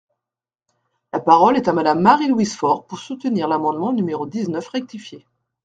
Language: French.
La parole est à Madame Marie-Louise Fort, pour soutenir l’amendement numéro dix-neuf rectifié.